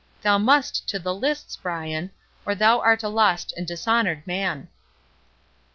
Thou must to the lists, Brian, or thou art a lost and dishonoured man."